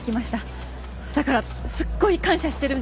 だからすっごい感謝してるんです。